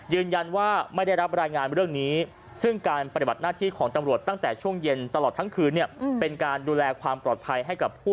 ยืนยันไม่ได้รับรายงานบนเรื่องนี้